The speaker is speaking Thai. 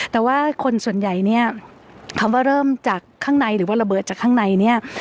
แต่ว่าคนส่วนใหญ่เนี่ยคำว่าเริ่มจากข้างในหรือว่าระเบิดจากข้างในเนี่ย